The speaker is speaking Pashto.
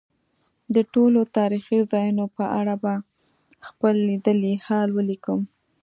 د ټولو تاریخي ځایونو په اړه به خپل لیدلی حال ولیکم.